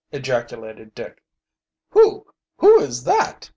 ejaculated Dick. "Who who is that?"